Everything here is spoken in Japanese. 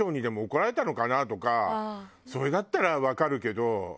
それだったらわかるけど。